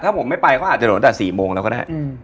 จะโดดตั้งแต่๔โมงแล้วก็ได้